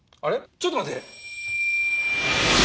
ちょっと待って。